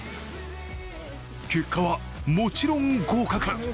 結果はもちろん合格。